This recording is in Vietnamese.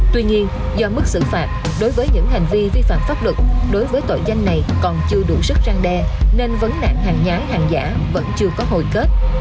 tuy nhiên do mức xử phạt đối với những hành vi vi phạm pháp luật đối với tội danh này còn chưa đủ sức răng đe nên vấn nạn hàng nhái hàng giả vẫn chưa có hồi kết